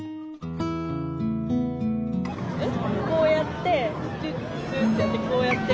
こうやってトゥットゥってやってこうやって。